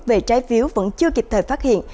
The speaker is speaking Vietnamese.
về trái phiếu vẫn chưa kịp thời phát hiện